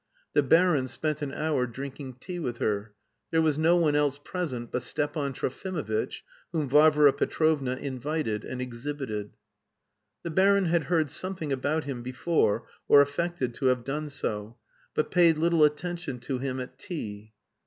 The baron spent an hour drinking tea with her. There was no one else present but Stepan Trofimovitch, whom Varvara Petrovna invited and exhibited. The baron had heard something about him before or affected to have done so, but paid little attention to him at tea.